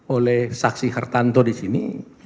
oleh saksi hartanto disini